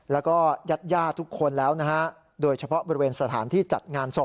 แล้วก็ญาติญาติทุกคนแล้วนะฮะโดยเฉพาะบริเวณสถานที่จัดงานศพ